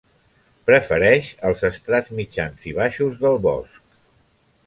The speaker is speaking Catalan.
Prefereix els estrats mitjans i baixos del bosc.